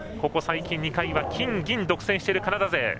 ここ最近２回は金、銀独占しているカナダ勢。